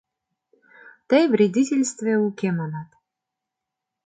Тый, вредительстве уке, манат.